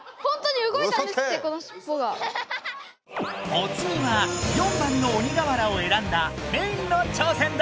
おつぎは４番の鬼瓦をえらんだメイの挑戦だ！